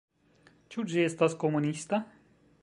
Ĉu ĝi estas komunista?